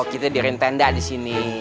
oh kita dirin tenda di sini